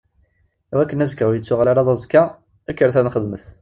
I wakken azekka ur ittuɣal ara d aẓekka, kkret ad nxedmet!